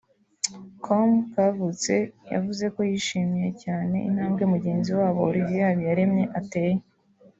com Kavutse yavuze ko yishimiye cyane intambwe mugenzi wabo (Olivier Habiyaremye) ateye